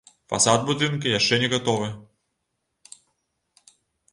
Фасад будынка яшчэ не гатовы.